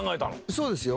そうですよ。